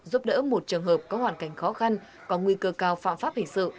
giúp đỡ một trường hợp có hoàn cảnh khó khăn có nguy cơ cao phạm pháp hình sự